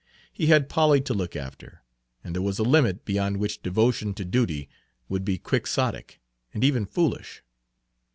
He had Polly to look after, and there was a limit beyond which devotion to duty would be quixotic and even foolish.